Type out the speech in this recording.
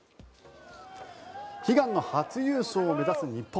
悲願の初優勝を目指す日本。